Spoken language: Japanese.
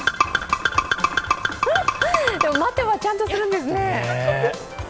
待てはちゃんとするんですね。